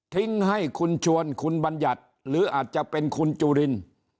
ทิ้งให้คุณชวนคุณบัญญัติหรืออาจจะเป็นคุณจุริน